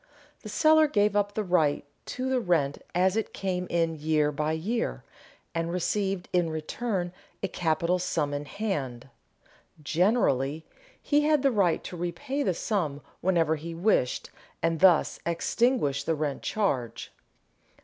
The seller gave up the right to the rent as it came in year by year, and received in return a capital sum in hand. Generally he had the right to repay the sum whenever he wished and thus extinguish the rent charge.